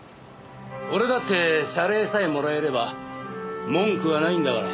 俺だって謝礼さえもらえれば文句はないんだから。